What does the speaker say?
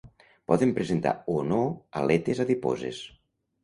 Poden presentar o no aletes adiposes.